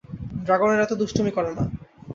ড্রাগনেরা এতো দুষ্টুমি করে না।